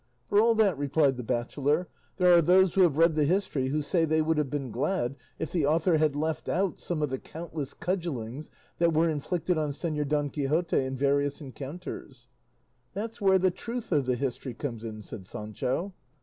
"For all that," replied the bachelor, "there are those who have read the history who say they would have been glad if the author had left out some of the countless cudgellings that were inflicted on Señor Don Quixote in various encounters." "That's where the truth of the history comes in," said Sancho.